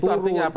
itu artinya apa